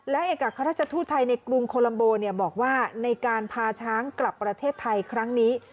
และเอกอัครราชทูตไทยในกรุงโคลัมโบบอกว่าในการพาช้างกลับประเทศไทยครั้งนี้